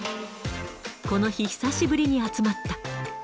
この日、久しぶりに集まった。